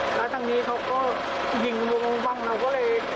แล้วทางนี้เขาก็ยิงลุงบ้างเราก็เลย